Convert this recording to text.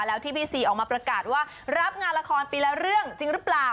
แล้วที่พี่ซีออกมาประกาศว่ารับงานละครปีละเรื่องจริงหรือเปล่า